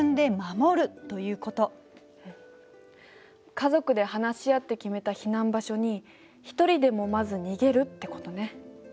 家族で話し合って決めた避難場所に一人でもまず逃げるってことね。